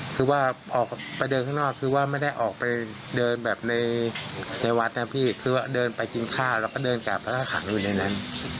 คือว่าออกไปเดินข้างนอกคือว่าไม่ได้ออกไปเดินแบบในวัดนะพี่คือว่าเดินไปกินข้าวแล้วก็เดินกลับพระท่าขังอยู่ในนั้น